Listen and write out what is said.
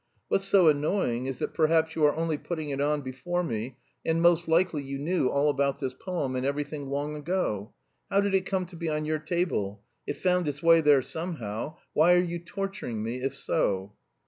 What's so annoying is that perhaps you are only putting it on before me, and most likely you knew all about this poem and everything long ago! How did it come to be on your table? It found its way there somehow! Why are you torturing me, if so?"